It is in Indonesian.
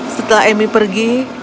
setelah emi pergi